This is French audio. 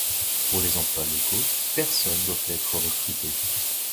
Pour les emplois locaux, personnes doivent être recrutées.